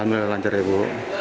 alhamdulillah lancar ya bu